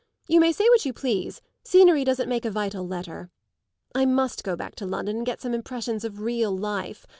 You may say what you please, scenery doesn't make a vital letter. I must go back to London and get some impressions of real life.